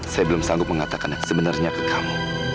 saya belum sanggup mengatakan sebenarnya ke kamu